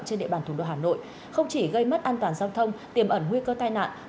trên địa bàn thủ đô hà nội không chỉ gây mất an toàn giao thông tiềm ẩn nguy cơ tai nạn